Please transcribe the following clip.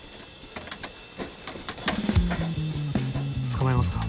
捕まえますか？